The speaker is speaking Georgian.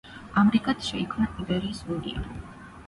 ამრიგად შეიქმნა იბერიის უნია.